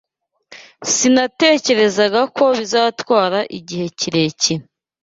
Sinatekerezaga ko bizatwara igihe kirekire.